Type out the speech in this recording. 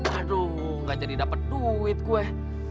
aduh gak jadi dapat duit gue